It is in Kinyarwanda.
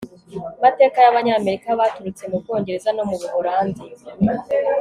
Abimukira ba mbere mu mateka yAbanyamerika baturutse mu Bwongereza no mu Buholandi